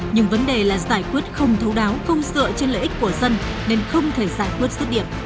nhưng vấn đề là giải quyết không thấu đáo không dựa trên lợi ích của dân nên không thể giải quyết xuất điểm